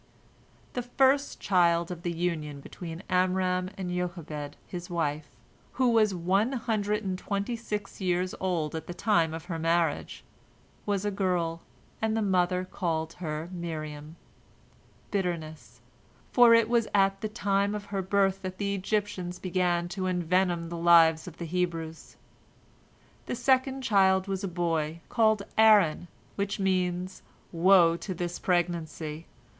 The first child of the union between Amram and Jochebed, his wife, who was one hundred and twenty six years old at the time of her marriage, was a girl, and the mother called her Miriam, "Bitterness," for it was at the time of her birth that the Egyptians began to envenom the life of the Hebrews. The second child was a boy, called Aaron, which means, "Woe unto this pregnancy!"